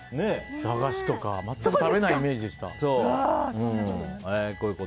駄菓子とか全く食べないイメージでした。